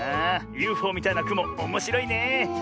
ＵＦＯみたいなくもおもしろいね。